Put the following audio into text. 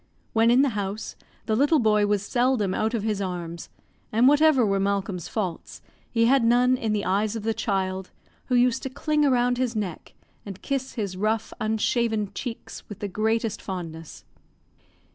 When in the house, the little boy was seldom out of his arms, and whatever were Malcolm's faults, he had none in the eyes of the child, who used to cling around his neck, and kiss his rough, unshaven cheeks with the greatest fondness.